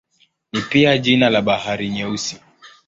Ni pia jina la Bahari Nyeusi.